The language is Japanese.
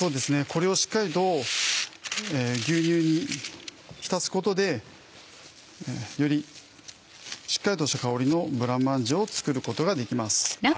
これをしっかりと牛乳に浸すことでよりしっかりとした香りのブラマンジェを作ることができます。